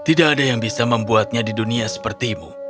tidak ada yang bisa membuatnya di dunia sepertimu